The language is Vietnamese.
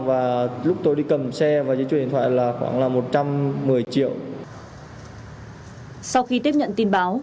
và lúc tôi đi cầm xe và đi chuyển điện thoại là khoảng là một trăm một mươi triệu sau khi tiếp nhận tin báo